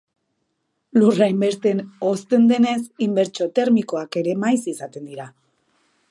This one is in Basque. Lurra hainbeste hozten denez, inbertsio termikoak ere maiz izaten dira.